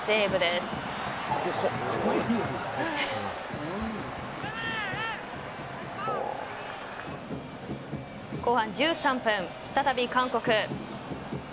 すごい。後半１３分再び韓国。